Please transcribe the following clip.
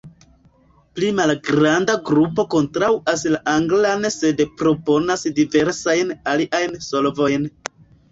Pli malgranda grupo kontraŭas la anglan sed proponas diversajn aliajn solvojn.